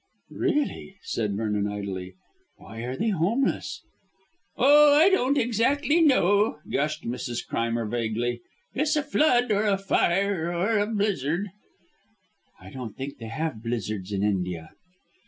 "Really!" said Vernon idly, "why are they homeless?" "Oh, I don't exactly know," gushed Mrs. Crimer vaguely; "it's a flood, or a fire, or a blizzard." "I don't think they have blizzards in India."